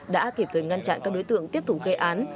đã kịp thời ngăn chặn các đối tượng tiếp tục gây án